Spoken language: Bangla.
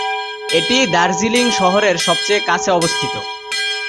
এটিই দার্জিলিং শহরের সবচেয়ে কাছে অবস্থিত।